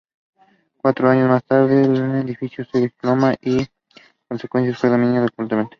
Cuatro años más tarde, el edificio se desploma, y como consecuencia, fue demolido completamente.